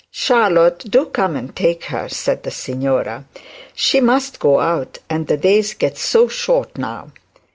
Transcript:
'Charlotte, do come and take her,' said the signora. 'She must go out; and the days get so short now.'